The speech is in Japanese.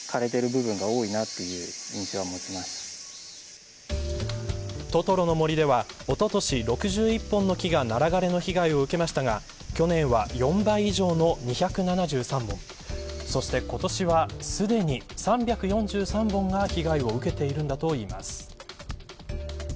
３年前と比較するとトトロの森ではおととし６１本の木がナラ枯れの被害を受けましたが去年は４倍以上の２７３本そして今年は、すでに３４３本が被害を受けているんだといいます。